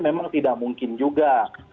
memang tidak mungkin juga